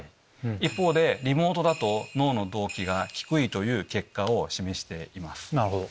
一方でリモートだと脳の同期が低いという結果を示しています。